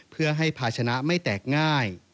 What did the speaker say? เพื่อให้ภาชนะไม่แตกง่าย